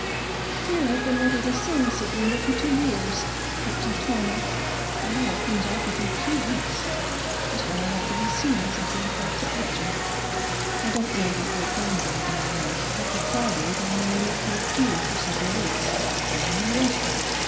"Here I've been ready to sing Sieglinde for two years, kept in torment, and now it comes off within two weeks, just when I want to be seeing something of Dr. Archie. I don't know what their plans are down there. After Friday they may let me cool for several weeks, and they may rush me.